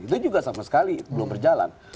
itu juga sama sekali belum berjalan